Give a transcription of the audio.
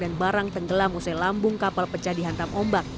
dan barang tenggelam usai lambung kapal pecah di hantam ombak